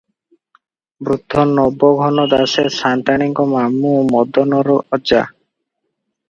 ବୃଦ୍ଧ ନବଘନ ଦାସେ ସାନ୍ତାଣୀଙ୍କ ମାମୁ, ମଦନର ଅଜା ।